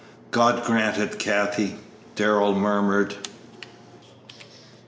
"God grant it, Kathie!" Darrell murmured.